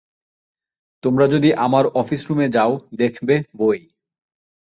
তোমরা যদি আমার অফিস রুমে যাও, দেখবে বই।